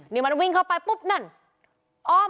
นี่มันวิ่งเข้าไปปุ๊บนั่น